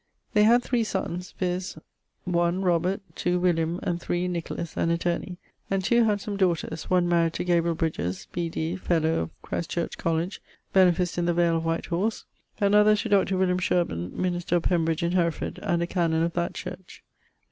They had three sons, viz. 1, Robert[LII.], 2, William; and 3, Nicholas (an attorney): and two handsome daughters, one married to Gabriel Bridges (B.D., fellow of C. C. Coll., beneficed in the Vale of White Horse), another to Dr. Sherburne (minister of Pembridge in Hereford, and a canon of that church).